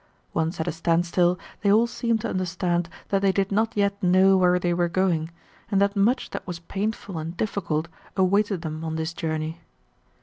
Once at a standstill they all seemed to understand that they did not yet know where they were going, and that much that was painful and difficult awaited them on this journey.